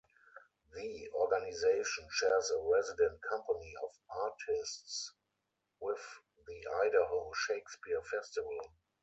The organization shares a resident company of artists with the Idaho Shakespeare Festival.